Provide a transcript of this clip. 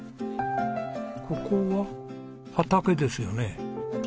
ここは畑ですよね。